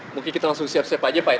mungkin kita langsung siap siap aja pak ya